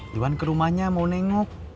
cuman ke rumahnya mau nengok